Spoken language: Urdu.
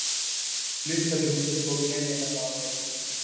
پولیس ہجوم کو روکنے میں ناکام رہی